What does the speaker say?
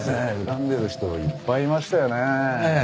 恨んでる人いっぱいいましたよねえ。